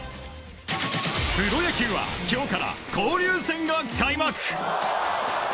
プロ野球は今日から交流戦が開幕。